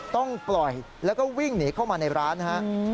ต้องปล่อยแล้วก็วิ่งหนีเข้ามาในร้านฮะ